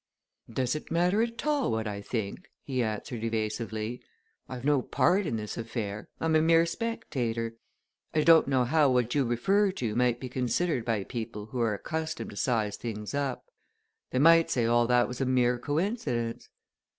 "Does it matter at all what I think," he answered evasively. "I've no part in this affair I'm a mere spectator. I don't know how what you refer to might be considered by people who are accustomed to size things up. They might say all that was a mere coincidence."